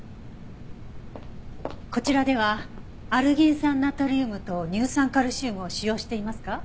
こちらではアルギン酸ナトリウムと乳酸カルシウムを使用していますか？